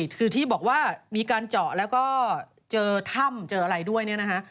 คือที่บอกว่ามีการเจาะแล้วก็เจอถ้ำเจออะไรด้วยเนี่ยนะฮะ